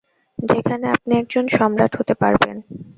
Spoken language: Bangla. যেখানে আপনি একজন সম্রাট হতে পারবেন!